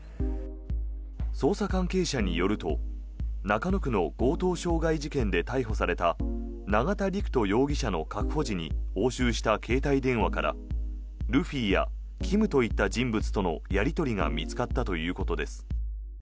捜査関係者によると、中野区の強盗傷害事件で逮捕された永田陸人容疑者の確保時に押収した携帯電話からルフィやキムといった人物とのやり取りが見つかったということです。